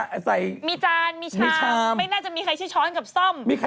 โปรดใส่โฟมน่ะ